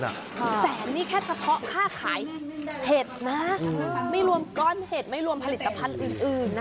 แสนนี่แค่เฉพาะค่าขายเผ็ดนะไม่รวมก้อนเห็ดไม่รวมผลิตภัณฑ์อื่นอื่นนะ